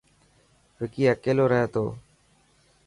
وڪي اڪيلو رهي تو.